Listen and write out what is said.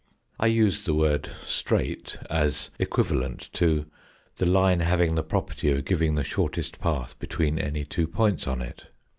I use the word straight as equivalent to the line having the property of giving the shortest path between any two points on it.